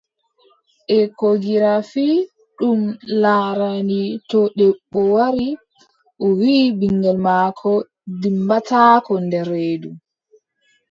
Ekogirafi, ɗum laarani to debbo wari o wii ɓiŋngel maako dimmbataako nder reedu,